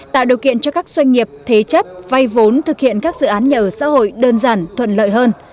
tạo điều kiện cho các doanh nghiệp thế chấp vay vốn thực hiện các dự án nhà ở xã hội đơn giản thuận lợi hơn